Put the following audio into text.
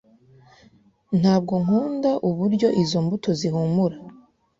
Ntabwo nkunda uburyo izo mbuto zihumura.